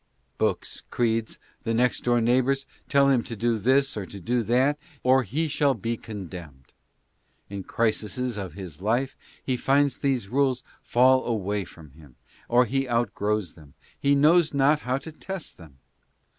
Books, creeds and next door neighbors tell him to do this or to do that, or he shall be condemned. In crises of his life he finds these rules fall away from him, or he outgrows them ; he knows not how to test them.